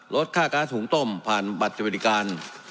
ลดค่าการถุงต้มผ่านบัตรเจริญการ